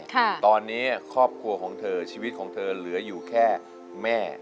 ตอนนี้ครอบครัวของเธอชีวิตของเธอเหลืออยู่แค่แม่